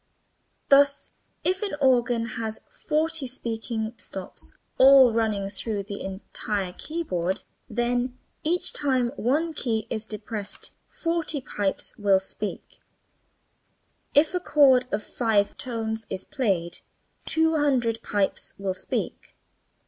Thus if an organ has forty speaking stops, all running through the entire keyboard, then each time one key is depressed forty pipes will speak, and if a chord of five tones is played, two hundred pipes will speak.